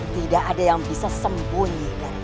tidak ada yang bisa sembunyi